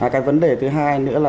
cái vấn đề thứ hai nữa là